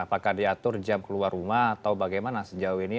apakah diatur jam keluar rumah atau bagaimana sejauh ini